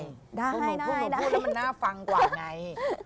พวกนุกพูดน่ามีน่าฟังกว่าไง